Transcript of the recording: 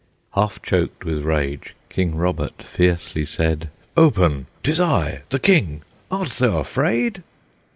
Half choked with rage, King Robert fiercely said, "Open: 'tis I, the King! Art thou afraid?"